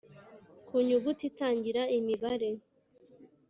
Ku nyuguti itangira imibare